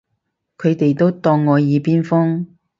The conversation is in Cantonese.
佢哋都當我耳邊風